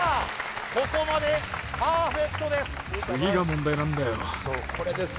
ここまでパーフェクトです